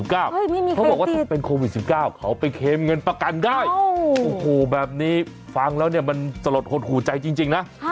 เขาบอกว่าถ้าเป็นโควิด๑๙เขาไปเค็มเงินประกันได้โอ้โหแบบนี้ฟังแล้วเนี่ยมันสลดหดหูใจจริงนะ